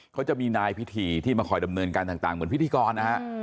เขาจะมีนายพิธีที่มาคอยดำเนินการต่างเหมือนพิธีกรนะฮะ